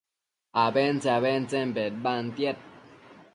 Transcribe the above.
abentse-abentsen bedbantiad